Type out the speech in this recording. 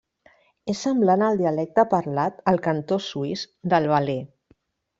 És semblant al dialecte parlat al cantó suís del Valais.